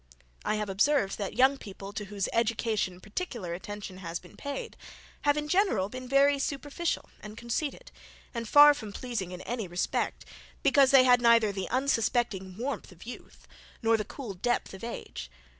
I have observed, that young people, to whose education particular attention has been paid, have, in general, been very superficial and conceited, and far from pleasing in any respect, because they had neither the unsuspecting warmth of youth, nor the cool depth of age.